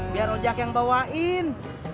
biar ojak yang bawain